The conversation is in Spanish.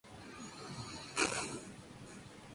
Para entonces, la guerra con China ya había comenzado.